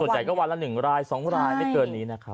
ใหญ่ก็วันละ๑ราย๒รายไม่เกินนี้นะครับ